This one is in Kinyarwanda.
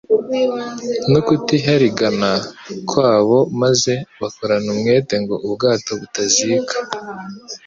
no kutiharigana kwabo maze bakorana umwete ngo ubwato butazika.